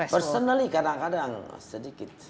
personally kadang kadang sedikit